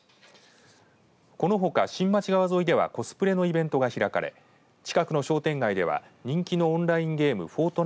このほか新町川沿いではコスプレのイベントが開かれ近くの商店街では人気のオンラインゲームフォート